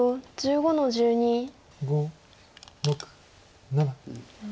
５６７。